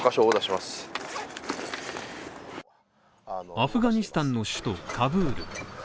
アフガニスタンの首都カブール。